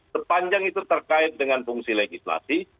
sepanjang itu terkait dengan fungsi legislasi